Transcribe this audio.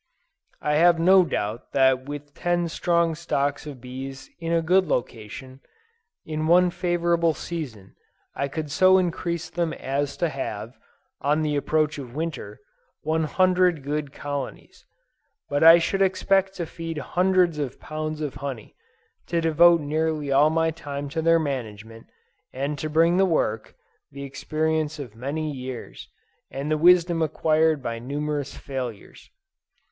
I have no doubt that with ten strong stocks of bees in a good location, in one favorable season, I could so increase them as to have, on the approach of Winter, one hundred good colonies: but I should expect to feed hundreds of pounds of honey, to devote nearly all my time to their management, and to bring to the work, the experience of many years, and the wisdom acquired by numerous failures.